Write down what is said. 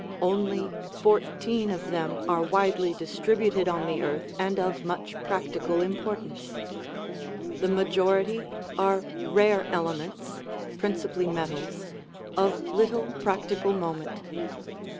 Only fourteen of them are widely distributed on the earth and of much practi cal importance; the majority are rare elements (prin cipally metals) of little practical moment.